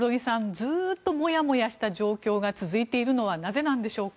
ずっともやもやした状況が続いているのはなぜなんでしょうか。